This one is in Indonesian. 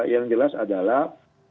yang jelas adalah